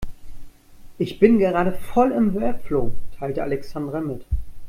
Ich bin gerade voll im Workflow, teilte Alexandra mit.